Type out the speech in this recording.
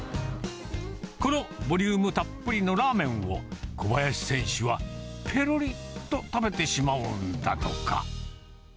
このボリュームたっぷりのラーメンを、小林選手はぺろりと食べてしまうんだとか。